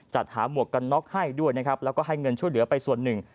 จัดหาหมวกกันน็อกให้ด้วยนะครับแล้วก็ให้เงินช่วยเหลือไปส่วนหนึ่ง